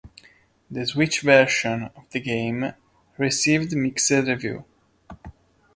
The Switch version of the game received mixed reviews.